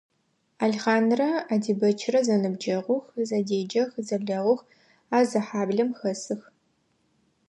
Алхъанрэ Адибэчрэ зэныбджэгъух, зэдеджэх, зэлэгъух, а зы хьаблэм хэсых.